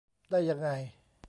ได้ยังไง